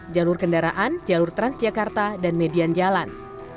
jalur kendaraan jalur transjakarta dan median jalan